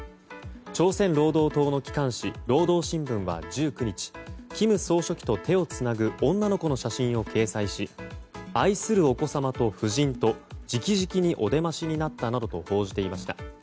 朝鮮労働党の機関紙労働新聞は１９日金総書記と手をつなぐ女の子の写真を掲載し愛するお子様と夫人と直々にお出ましになったなどと報じていました。